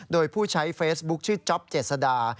โดยผู้ใช้เฟซบุ๊คชื่อจ๊อปเจษดา